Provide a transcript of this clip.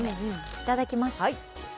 いただきます。